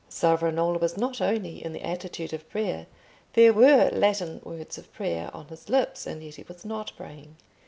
Savonarola was not only in the attitude of prayer, there were Latin words of prayer on his lips; and yet he was not praying.